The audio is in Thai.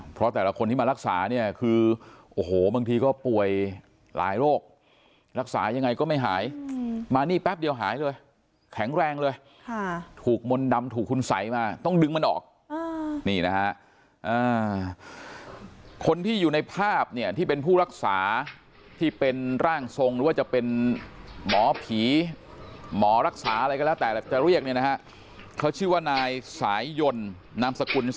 เพราะแต่ละคนที่มารักษาเนี่ยคือโอ้โหบางทีก็ป่วยหลายโรครักษายังไงก็ไม่หายมานี่แป๊บเดียวหายเลยแข็งแรงเลยถูกมนต์ดำถูกคุณสัยมาต้องดึงมันออกนี่นะฮะคนที่อยู่ในภาพเนี่ยที่เป็นผู้รักษาที่เป็นร่างทรงหรือว่าจะเป็นหมอผีหมอรักษาอะไรก็แล้วแต่จะเรียกเนี่ยนะฮะเขาชื่อว่านายสายยนนามสกุล